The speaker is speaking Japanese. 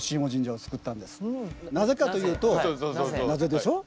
なぜかというとなぜでしょう？